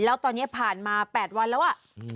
แล้วตอนนี้ผ่านมา๘วันแล้วอ่ะ